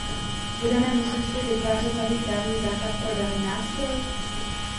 Budeme muset vždy vytvářet nový právní základ pro daný nástroj?